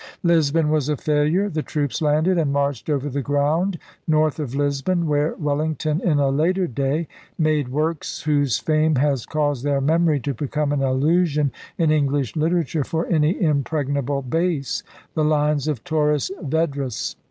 Lisbon was a failure. The troops landed and marched over the ground north of Lisbon where Wellington in a later day made works whose fame has caused their memory to become an allusion in English literature for any impregnable base — the Lines of Torres Vedras.